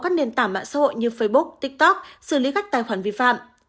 các nền tảng mạng xã hội như facebook tiktok xử lý các tài khoản vi phạm